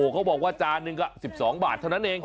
เขาบอกว่าจานหนึ่งก็๑๒บาทเท่านั้นเอง